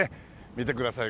見てください。